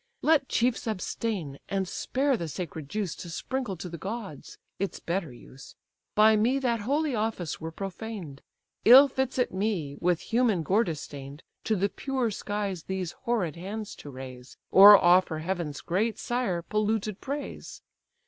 Let chiefs abstain, and spare the sacred juice To sprinkle to the gods, its better use. By me that holy office were profaned; Ill fits it me, with human gore distain'd, To the pure skies these horrid hands to raise, Or offer heaven's great Sire polluted praise.